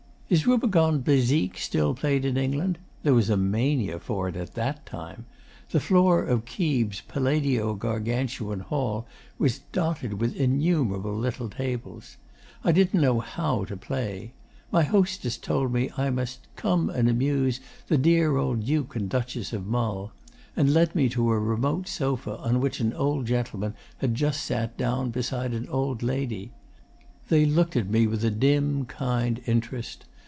'Is Rubicon Bezique still played in England? There was a mania for it at that time. The floor of Keeb's Palladio Gargantuan hall was dotted with innumerable little tables. I didn't know how to play. My hostess told me I must "come and amuse the dear old Duke and Duchess of Mull," and led me to a remote sofa on which an old gentleman had just sat down beside an old lady. They looked at me with a dim kind interest.